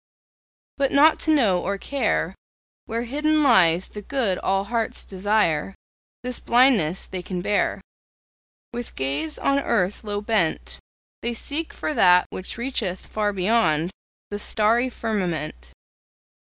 But not to know or care Where hidden lies the good all hearts desire This blindness they can bear; With gaze on earth low bent, They seek for that which reacheth far beyond The starry firmament.